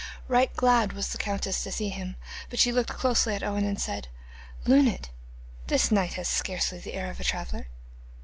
Right glad was the countess to see them, but she looked closely at Owen and said: 'Luned, this knight has scarcely the air of a traveller.